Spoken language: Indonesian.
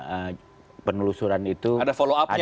ada follow up nya ya dari kasus nomor pertama